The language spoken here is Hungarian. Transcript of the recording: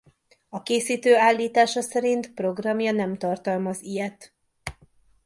A készítő állítása szerint programja nem tartalmaz ilyet.